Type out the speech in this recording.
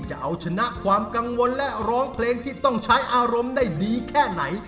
เพราะร้องเพลงที่ต้องใช้อารมณ์ได้ดีแค่ไหน